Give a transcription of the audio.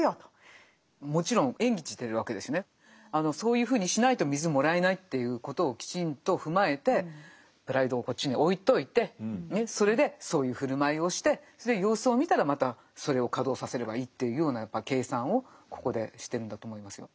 そういうふうにしないと水もらえないっていうことをきちんと踏まえてプライドをこっちに置いといてそれでそういう振る舞いをして様子を見たらまたそれを稼働させればいいっていうようなやっぱり計算をここでしてるんだと思いますよ。